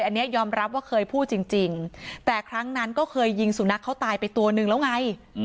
อันนี้ยอมรับว่าเคยพูดจริงแต่ครั้งนั้นก็เคยยิงสุนัขเขาตายไปตัวนึงแล้วไง